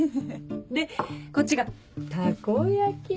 でこっちがタコ焼き。